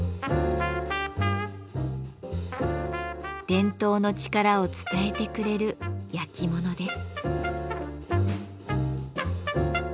伝統の力を伝えてくれるやきものです。